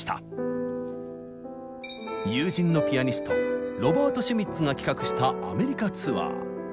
友人のピアニストロバート・シュミッツが企画したアメリカツアー。